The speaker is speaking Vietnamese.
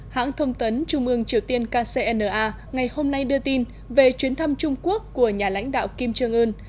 hãng thông tấn trung ương triều tiên kcna ngày hôm nay đưa tin về chuyến thăm trung quốc của nhà lãnh đạo kim trương ưn